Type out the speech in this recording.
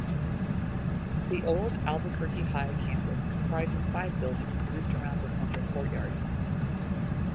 The Old Albuquerque High campus comprises five buildings grouped around a central courtyard.